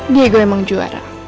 dia gue emang juara